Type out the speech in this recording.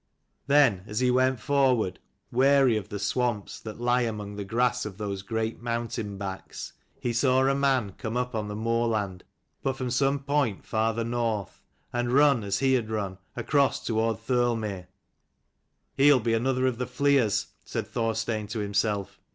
Then, as he went forward, wary of the swamps that lie among the grass of those great mountain backs, he saw a man come up on the moorland, but from some point farther north ; and run, as he had run, across toward Thirlmere. " He will be another of the fleers," said Thorstein to himself.